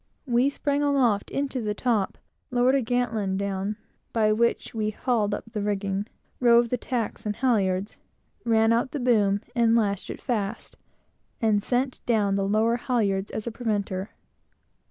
We sprang aloft into the top; lowered a girt line down, by which we hauled up the rigging; rove the tacks and halyards; ran out the boom and lashed it fast, and sent down the lower halyards, as a preventer.